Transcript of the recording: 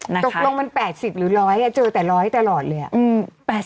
ตกลงมัน๘๐หรือ๑๐๐เจอแต่๑๐๐ตลอดเลย